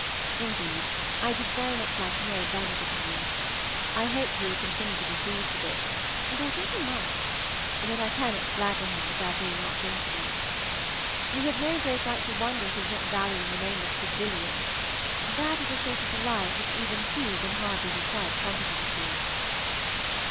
Indeed, I did very much like to know Ben's opinion. I hope he will continue to be pleased with it, and I think he must, but I cannot flatter him with there being much incident. We have no great right to wonder at his not valuing the name of Progillian. That is a source of delight which even he can hardly be quite competent to.